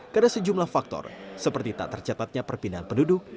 karena sejumlah faktor seperti tak tercatatnya perpindahan penduduk